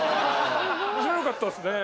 面白かったですね。